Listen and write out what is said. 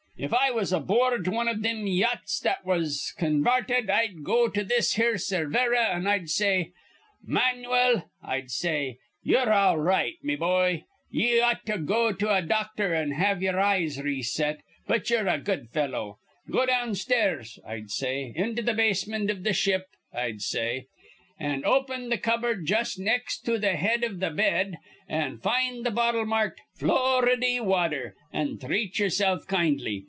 If I was aboord wan iv thim yachts that was convarted, I'd go to this here Cervera, an' I'd say: 'Manuel,' I'd say, 'ye're all right, me boy. Ye ought to go to a doctor an' have ye'er eyes re set, but ye're a good fellow. Go downstairs,' I'd say, 'into th' basemint iv the ship,' I'd say, 'an' open th' cupboard jus' nex' to th' head iv th' bed, an' find th' bottle marked "Floridy Wather," an' threat ye'ersilf kindly.'